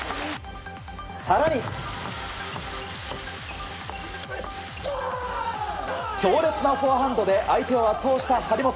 更に、強烈なフォアハンドで相手を圧倒した張本。